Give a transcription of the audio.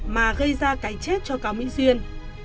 mà gây ra cái chết cho cao mỹ duyên